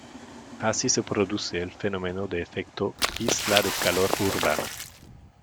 Así se produce el fenómeno de efecto "isla de calor urbana".